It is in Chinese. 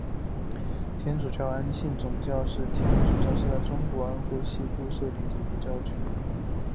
天主教安庆总教区是天主教在中国安徽省西部设立的一个教区。